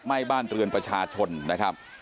ไหม้บ้านเรือนประชาชนนะครับ